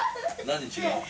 何違うの？